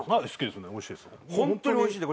ホントにおいしいんで。